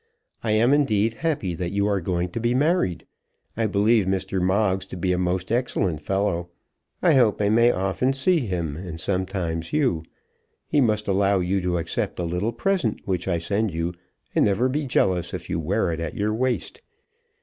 I am, indeed, happy that you are going to be married. I believe Mr. Moggs to be a most excellent fellow. I hope I may often see him, and sometimes you. He must allow you to accept a little present which I send you, and never be jealous if you wear it at your waist.